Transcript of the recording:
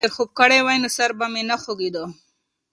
که ما ډېر خوب کړی وای، نو سر به مې نه خوږېده.